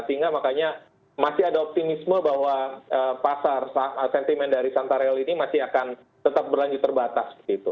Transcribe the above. sehingga makanya masih ada optimisme bahwa pasar sentimen dari santa real ini masih akan tetap berlanjut terbatas